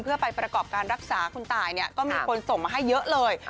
เพื่อไปประกอบการรักษาคุณตายเนี่ยก็มีคนส่งมาให้เยอะเลย